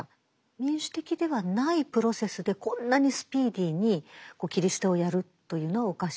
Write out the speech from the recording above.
民主的ではないプロセスでこんなにスピーディーに切り捨てをやるというのはおかしい。